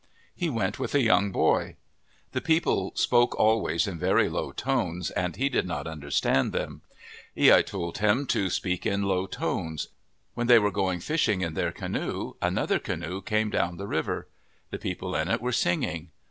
He went with a young boy. The people spoke always in very low tones and he did not understand them. loi told him to speak in low tones. When they were going fishing in their canoe, another canoe came down the river. The people in it were sing ing.